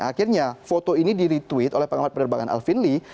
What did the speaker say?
akhirnya foto ini di retweet oleh pengamat penerbangan alvin lee